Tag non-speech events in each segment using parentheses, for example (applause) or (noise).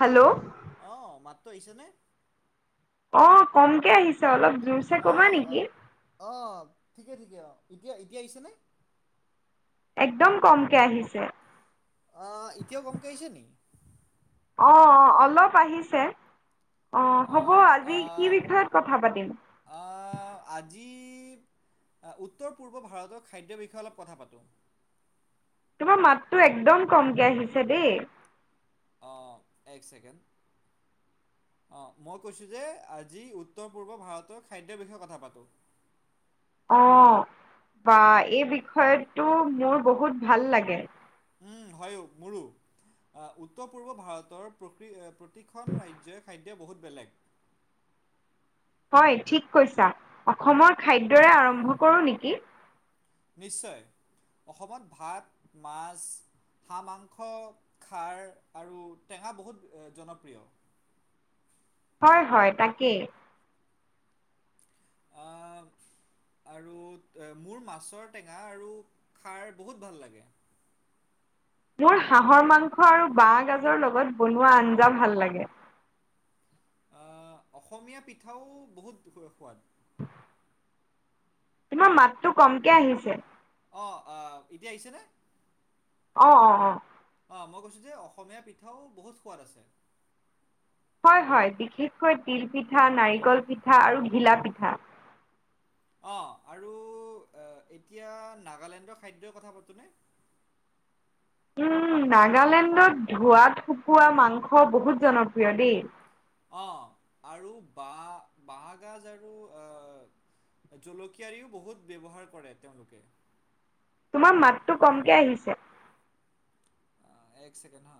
Hello, অ, মাতটো আহিছেনে? অ কমকে আহিছে অলপ জুজ অ অ অ ঠিকে ঠিকে অ এতিয়া এতিয়া আহিছেনে? একদম কমকে আহিছে‌। অ এতিয়াও কমকেই আহিছে নি? অ', অ', অলপ আহিছে অ, হ'ব অঁ আজি কি বিষয়ত কথা পাতিম? অ, আজি আ উত্তৰ পূৰ্ব ভাৰতৰ খাদ্যৰ বিষয়ে অলপ কথা পাতোঁ। তোমাৰ মাতটো একদম কমকে আহিছে দে। অ এক ছেকেণ্ড অ মই কৈছোঁ যে আজি উত্তৰ পূৰ্ব ভাৰতৰ খাদ্যৰ বিষয়ে কথা পাতোঁ, অ বা এই বিষয়তটো মোৰ বহুত ভাল লাগে। উম হয় মোৰো উত্তৰ পূৰ্ব ভাৰতৰ প্ৰকৃ অ প্ৰ প্ৰতিখন ৰাজ্যই খাদ্য বহুত বেলেগ হয় ঠিক কৈছা অসমৰ খাদ্যৰে আৰম্ভ কৰোঁ নেকি? নিশ্চয় অসমত ভাত মাছ হাঁহ মাংস খাৰ আৰু টেঙা বহুত জনপ্ৰিয় হয় হয় তাকে আ আৰু মোৰ মাছৰ টেঙা আৰু খাৰ বহুত ভাল লাগে। মোৰ হাঁহৰ মাংস আৰু বাঁহ গাজৰ লগত বনোৱা আঞ্জা ভাল লাগে। অসমীয়া পিঠাও বহুত সোৱাদ তোমাৰ মাতটো কমকে আহিছে অ এতিয়া আহিছেনে? অ অ অ অ মই কৈছোঁ যে অসমীয়া পিঠাও বহুত সোৱাদ আছে। হয় হয় বিশেষকৈ তিল পিঠা নাৰিকল পিঠা আৰু ঘিলা পিঠা। অ আৰু এতিয়া নাগালেণ্ডৰ খাদ্যই কথা পাতোঁনে? উম নাগালেণ্ডত ধোঁৱা শুকোৱা মাংস বহুত জনপ্ৰিয় দেই। অ আৰু বা বাঁহগাজ আৰু আহ জলকীয়াৰিও বহুত ব্যৱহাৰ কৰে তেওঁলোকে। তোমাৰ মাতটো কমকে আহিছে‌‌। অ এক ছেকেণ্ড হা।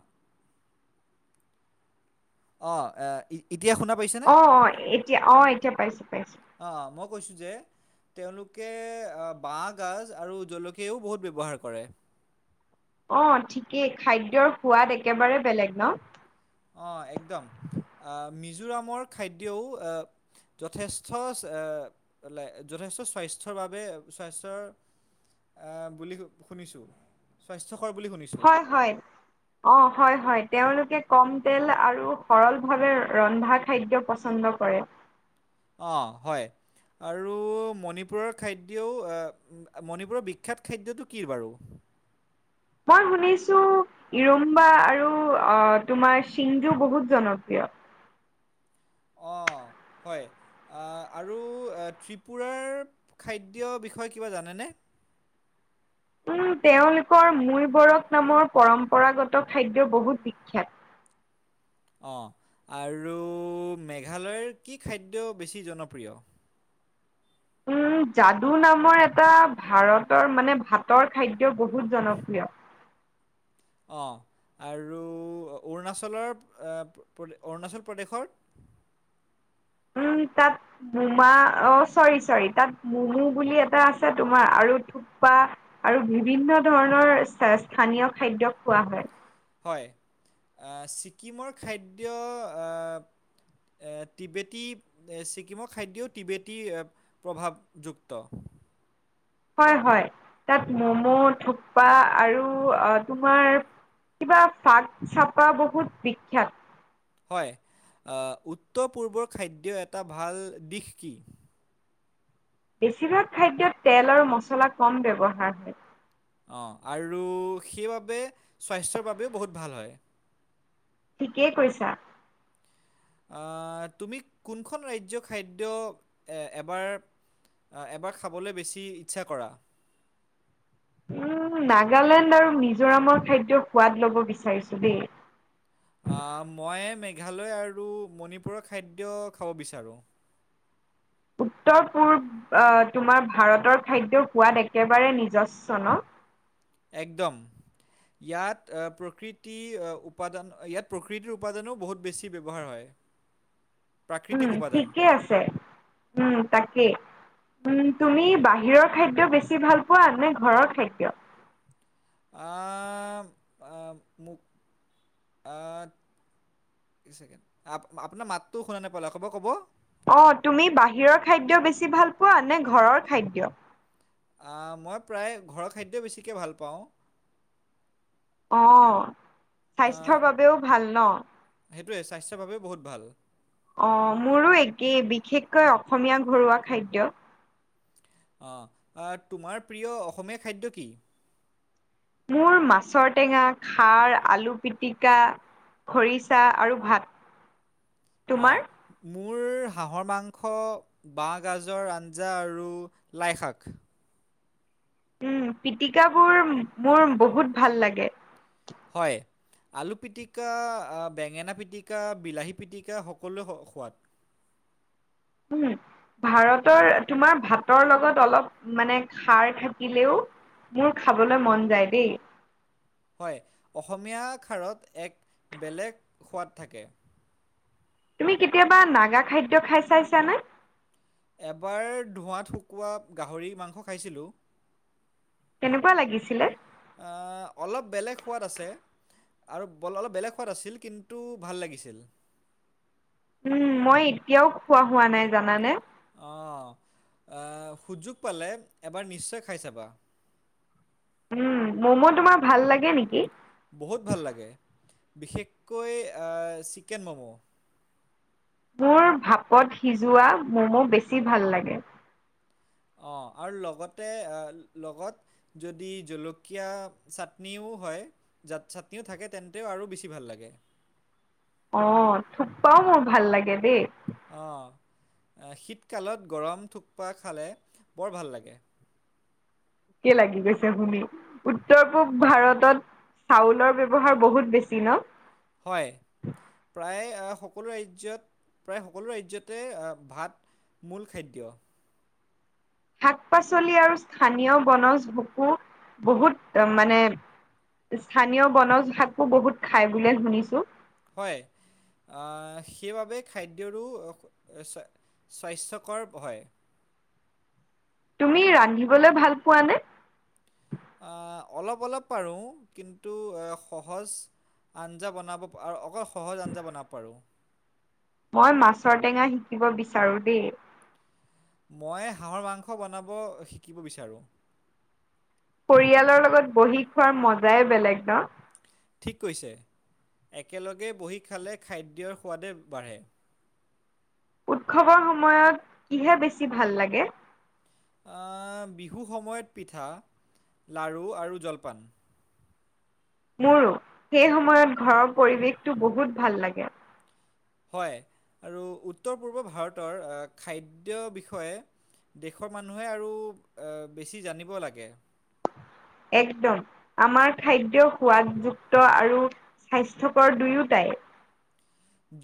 অ এ ই এতিয়া শুনা পাইছে? অ অ এতিয়া অ এতিয়া পাইছোঁ পাইছোঁ। অ মই কৈছোঁ যে তেওঁলোকে বাঁহগাজ আৰু জলকীয়াও বহুত ব্যৱহাৰ কৰে। অ ঠিকেই খাদ্যৰ সোৱাদ একেবাৰে বেলেগ ন অ একদম মিজোৰামৰ খাদ্যও যথেষ্ট যথেষ্ট স্বাস্থ্যৰ বাবে স্বাস্থ্যৰ বুলি শুনিছোঁ স্বাস্থ্যকৰ বুলি শুনি। হয় হয়। অ হয় হয় তেওঁলোকে কম তেল আৰু সৰলভাৱে ৰন্ধা খাদ্য পচন্দ কৰে। অ হয়। আৰু মণিপুৰৰ খাদ্যও মণিপুৰৰ বিখ্যাত খাদ্যটো কি বাৰু? মই শুনিছো ইৰম্বা আৰু তোমাৰ সিংজু বহুত জনপ্ৰিয়। অ হয়। আৰু ত্ৰিপুৰাৰ খাদ্যৰ বিষয়ে কিবা জানেনে? উম তেওঁলোকৰ মৈ বৰফ নামৰ পৰম্পৰাগত খাদ্য বহুত বিখ্যাত। অ আৰু মেঘালয়ৰ কি খাদ্য বেছি জনপ্ৰিয়? উম, যাদু নামৰ এটা ভাৰতৰ মানে ভাতৰ খাদ্য বহুত জনপ্ৰিয়। অ, আৰু অৰুণাচলৰ - অৰুণাচল প্ৰদেশৰ? উম, তাত মোমা অ, চৰি - চৰি তাত মমু বুলি এটা আছে তোমাৰ আৰু খোৱা আৰু বিভিন্ন ধৰণৰ স্থানীয় খাদ্য খোৱা হয়। হয় ছিকিমৰ খাদ্য অ টিবেটী ছিকিমৰ খাদ্যও টিবেটী প্ৰভাৱযুক্ত। হয় হয় তাত ম'ম' থোপ্পা আৰু অ তোমাৰ কিবা ফাগ চপা বহুত বিখ্যাত। হয় উত্তৰ পূৰ্বৰ খাদ্য এটা ভাল দিশ কি? বেছিভাগ খাদ্যত তেল আৰু মছলা কম ব্যৱহাৰ হয়। অ, আৰু সেইবাবে স্বাস্থ্যৰ বাবেও বহুত ভাল হয়। ঠিকেই কৈছা। তুমি কোনখন ৰাজ্যৰ খাদ্য এবাৰ এবাৰ খাবলৈ বেছি ইচ্ছা কৰা? উম, নাগালেণ্ড আৰু মিজোৰামৰ খাদ্য সোৱাদ লব বিচাৰিছো দেই। মই মেঘালয় আৰু মণিপুৰৰ খাদ্য খাব বিচাৰো। উত্তৰ পূব তোমাৰ ভাৰতৰ খাদ্যৰ সোৱাদ একেবাৰে নিজস্ব ন। একদম। ইয়াত প্ৰকৃতি উপাদান ইয়াত প্ৰকৃতিৰ উপাদানো বহুত বেছি ব্যৱহাৰ হয়। (inaudible) উম, উপাদান। ঠিকে আছে, উম, তাকেই। উম, তুমি বাহিৰৰ খাদ্য বেছি ভাল পোৱা নে ঘৰৰ খাদ্য? আহ-আহ মোক (unintelligible) এক ছেকেণ্ড আ-আপোনাৰ মাতটো শুনা নাপালো আকৌ এবাৰ ক'ব। অ, তুমি বাহিৰৰ খাদ্য বেছি ভাল পোৱা নে ঘৰৰ খাদ্য? মই প্ৰায় ঘৰৰ খাদ্য বেছিকৈ ভাল পাও। অ, আহ, স্বাস্থ্যৰ বাবেও ভাল ন। সেইটোৱে স্বাস্থ্যৰ বাবেও বহুত ভাল। অ, মোৰো একেই বিশেষকৈ অসমীয়া ঘৰুৱা খাদ্য। অ, তোমাৰ প্ৰিয় অসমীয়া খাদ্য কি? মোৰ মাছৰ টেঙা, খাৰ, আলু পিটিকা খৰিচা আৰু ভাত। অ, তোমাৰ? মোৰ হাঁহৰ মাংস বাঁহগাজৰ আঞ্জা আৰু লাইশাক। উম, পিটিকাবোৰ মোৰ বহুত ভাল লাগে। হয়। আলু পিটিকা, বেঙেনা পিটিকা, বিলাহী পিটিকা সকলোৱে সোৱাদ। উম। ভাৰতৰ তোমাৰ ভাতৰ লগত অলপ মানে খাৰ থাকিলেও মোৰ খাবলৈ মন যায় দেই। হয় অসমীয়া খাৰত এক বেলেগ সোৱাদ থাকে। তুমি কেতিয়াবা নাগা খাদ্য খাই চাইছানে? এবাৰ ধোঁৱাত শুকোৱা গাহৰি মাংস খাইছিলো। কেনেকুৱা লাগিছিলে। অলপ বেলেগ সোৱাদ আছে। আৰু অলপ বেলেগ সোৱাদ আছিল কিন্তু ভাল লাগিছিল। মই এতিয়াও খোৱা হোৱা নাই জানানে। অ, সুযোগ পালে এবাৰ নিশ্চয় খাই চাবা। উম, মম তোমাৰ ভাল লাগে নেকি? বহুত ভাল লাগে বিশেষকৈ অ, চিকেন মম। মোৰ ভাপত সিজোৱা মমো বেছি ভাল লাগে। অ' আৰু লগতে লগত, যদি জলকীয়া চাটনিও হয়। ইজাত চাটনিও থাকে তেন্তেও আৰু বেছি ভাল লাগে। অ, থোপাও মোৰ ভাল লাগে দেই। অ' শীতকালত গৰম থোকপা খালে বৰ ভাল লাগে। ভোকে লাগি গৈছে শুনি উত্তৰ পূব ভাৰতত। চাউলৰ ব্যৱহাৰ বহুত বেছি ন' হয়। প্ৰায় সকলো ৰাজ্যত প্ৰায় সকলো ৰাজ্যতে ভাত। মূল খাদ্য। শাক পাচলি আৰু স্থানীয় বনজ বহু বহুত মানে। স্থানীয় বনজ শাকো বহুত খাই বুলে শুনিছোঁ। হয়। সেইবাবে খাদ্যৰো স্বাস্থ্যকৰ হয়। তুমি ৰান্ধিবলৈ ভাল পোৱানে? অলপ অলপ পাৰোঁ কিন্তু সহজ। আঞ্জা বনাব আৰু অকল সহজ আঞ্জা বনাব পাৰোঁ। মই মাছৰ টেঙা শিকিব বিচাৰোঁ দেই। মই হাঁহৰ মাংস বনাব শিকিব বিচাৰোঁ। পৰিয়ালৰ লগত বহি খোৱাৰ মজাই বেলেগ ন' ঠিক কৈছে একেলগে বহি খালে খাদ্যৰ সোৱাদে বাঢ়ে। উৎসৱৰ সময়ত কিহে বেছি ভাল লাগে। বিহুৰ সময়ত পিঠা লাৰু আৰু জলপান। মোৰো সেই সময়ত ঘৰৰ পৰিৱেশটো বহুত ভাল লাগে। হয় আৰু উত্তৰ পূৰ্ব ভাৰতৰ খাদ্যৰ বিষয়ে। দেশৰ মানুহে আৰু বেছি জানিব লাগে। একদম আমাৰ খাদ্য সোৱাদযুক্ত আৰু। স্বাস্থ্যকৰ দুয়োটাই।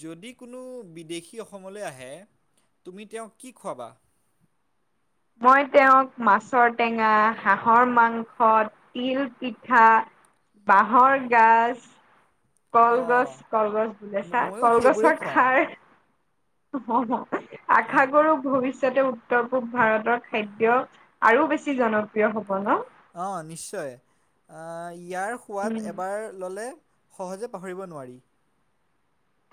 যদি কোনো বিদেশী অসমলৈ আহে তুমি তেওঁক কি খুৱাবা? মই তেওঁক মাছৰ টেঙা হাঁহৰ মাংস তিল পিঠা, বাঁহৰ গাজ। অঁ কলগছ কলগছ ম- বেছা, ময়ো সেইবোৰেই কলগছৰ খুৱাম খাৰ অ' হ আশা কৰোঁ। তাতে উত্তৰ পূব ভাৰতৰ খাদ্য আৰু বেছি জনপ্ৰিয় হব ন' অ' নিশ্চয় ইয়াৰ সোৱাদ উম এবাৰ। ল'লে সহজে পাহৰিব নোৱাৰি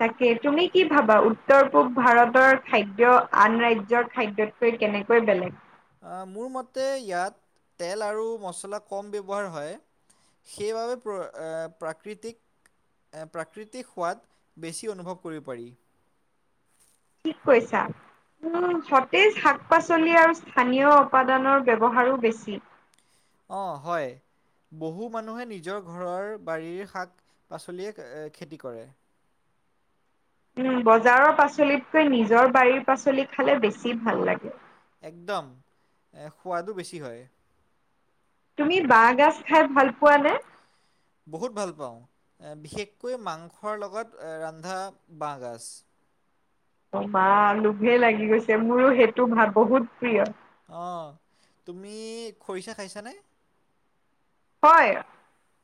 তাকে তুমি কি ভাবা উত্তৰ পূব ভাৰতৰ খাদ্য আন ৰাজ্যৰ খাদ্যতকে কে কেনেকৈ বেলেগ মোৰ মতে ইয়াত তেল আৰু মছলা কম ব্যৱহাৰ হয়। সেইবাবে প্ৰ প্ৰাকৃতিক। প্ৰাকৃতিক সোৱাদ বেছি অনুভৱ কৰিব পাৰি। ঠিক কৈছা। উ সতেজ শাক পাচলি আৰু স্থানীয় উপাদানৰ ব্যৱহাৰো বেছি। অ' হয়। বহু মানুহে নিজৰ ঘৰৰ বাৰীৰ শাক পাচলিয়ে খেতি কৰে। বজাৰৰ পাচলিতকৈ নিজৰ বাৰীৰ পাচলি খালে বেছি ভাল লাগে। একদম, এ সোৱাদো বেছি হয়। তুমি বাঁহগাজ খাই ভাল পোৱা নে? বহুত ভাল পাওঁ। বিশেষকৈ মাংসৰ লগত ৰন্ধা বাঁহগাজ। বা লোভে লাগি গৈছে মোৰো সেইটো ভাত বহুত প্ৰিয়। অ', তুমি খৰিচা খাইছানে? হয়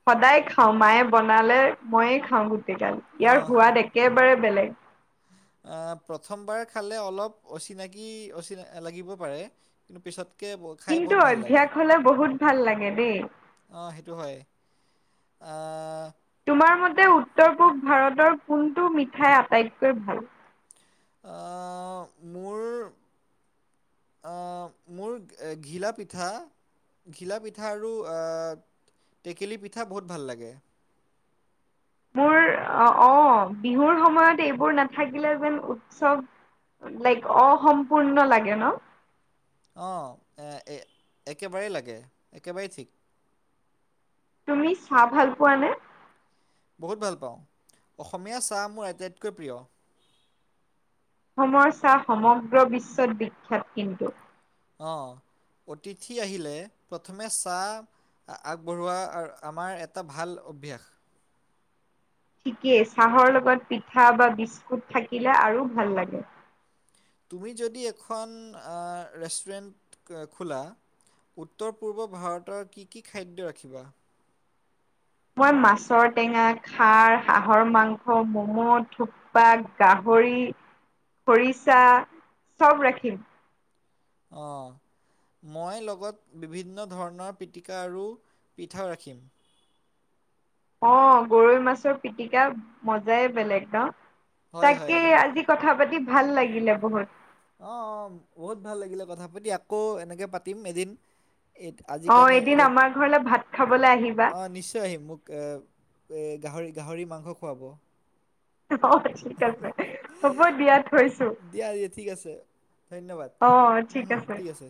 সদায় খাওঁ মায়ে বনালে ময়ে খাওঁ গোটেইগাল। ইয়াৰ সোৱাদ একেবাৰে বেলেগ। অহ প্ৰথমবাৰ খালে অলপ অচিনাকি অচ লাগিব পাৰে। পিছত কিন্তু অভ্যাস হলে বহুত ভাল লাগে দেই। অ' সেইটো হয় আ তোমাৰ মতে উত্তৰ পূব ভাৰতৰ কোনটো মিঠাই আটাইতকৈ ভাল? আ, মোৰ আ মোৰ ঘিলা পিঠা, ঘিলা পিঠা আৰু আ টেকেলি পিঠা বহুত ভাল লাগে। মোৰ অ', অ', বিহুৰ সময়ত এইবোৰ নাথাকিলে যেন উৎসৱ লাইক অসম্পূৰ্ণ লাগে ন? অ', একেবাৰেই লাগে, একেবাৰেই ঠিক। তুমি চাহ ভাল পোৱানে? বহুত ভাল পাওঁ, অসমীয়া চাহ মোৰ আটাইতকৈ প্ৰিয়। অসমৰ চাহ সমগ্ৰ বিশ্বত বিখ্যাত কিন্তু। অ', অতিথি আহিলে প্ৰথমে চাহ আগবঢ়োৱা আমাৰ এটা ভাল অভ্যাস। ঠিকেই চাহৰ লগত পিঠা বা বিস্কুট থাকিলে আৰু ভাল লাগে। তুমি যদি এখন ৰেষ্টুৰেণ্ট খোলা? উত্তৰ পূ্বৰ ভাৰতৰ কি-কি খাদ্য ৰাখিবা? মই মাছৰ টেঙা, খাৰ, হাঁহৰ মাংস, মম', থুপ বা গাহৰি, খৰিচা, চব ৰাখিম। অ'। মই লগত বিভিন্ন ধৰণৰ পিটিকা আৰু পিঠাও ৰাখিম। অ', গৰৈ মাছৰ পিটিকা মজাই বেলেগ ন? হয় হয়। তাকে আজি কথা পাতি ভাল লাগিলে বহুত। অ', বহুত ভাল লাগিলে কথা পাতি আকৌ এনেকে পাতিম এদিন। এই আজিৰ অ কাৰণে এদিন এতিয়া, আমাৰ ঘৰলে ভাত খাবলৈ আহিবা অ', নিশ্চয় আহিম মোক এ গাহৰি-গাহৰি মাংস খুৱাব। অ', ঠিক আছে হ'ব দিয়া থৈছোঁ। দিয়া দিয়া ঠিক আছে, ধন্যবাদ। উম হুম ঠিক আছে।